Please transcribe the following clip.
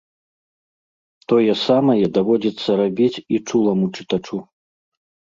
Тое самае даводзіцца рабіць і чуламу чытачу.